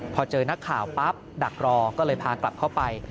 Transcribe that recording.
พอเจอนักข่าวปั๊บดักรอก็เลยพากลับเข้าไป